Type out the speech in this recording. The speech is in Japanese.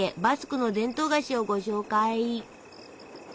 バスクの伝統菓子をご紹介。